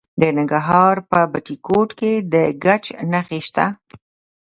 د ننګرهار په بټي کوټ کې د ګچ نښې شته.